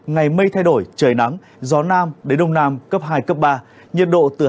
ngày mây thay đổi trời nắng gió nam đến đông nam cấp hai ba nhiệt độ từ hai mươi bốn ba mươi ba độ